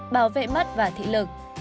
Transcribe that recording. bảo vệ mắt và thị lực